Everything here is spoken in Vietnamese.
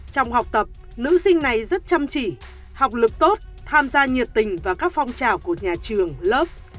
trong học tập nữ sinh này rất chăm chỉ học lực tốt tham gia nhiệt tình vào các phong trào của nhà trường lớp